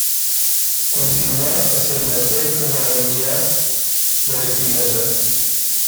Continúa hacia el norte como avenida Lo Espinoza.